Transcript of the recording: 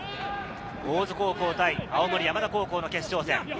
大津高校対青森山田高校の決勝戦。